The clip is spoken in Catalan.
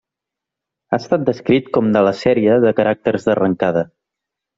Ha estat descrit com de la sèrie de caràcters d'arrencada.